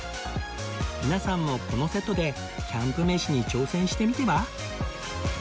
皆さんもこのセットでキャンプ飯に挑戦してみては？